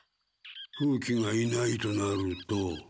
風鬼がいないとなると。